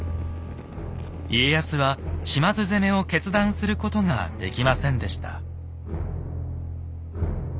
家康は島津攻めを決断することができませんでした。